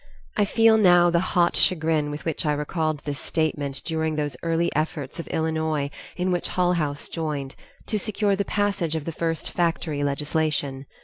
I feel now the hot chagrin with which I recalled this statement during those early efforts of Illinois in which Hull House joined, to secure the passage of the first factory legislation.